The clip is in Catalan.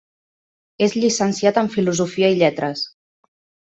És llicenciat en filosofia i lletres.